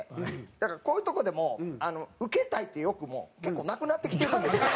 なんかこういうとこでもウケたいっていう欲も結構なくなってきてるんですよ。